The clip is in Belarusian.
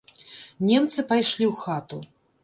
Немцы пайшлі ў хату.